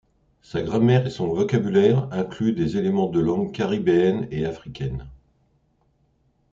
Sa grammaire et son vocabulaire incluent des éléments de langues caribéennes et africaines.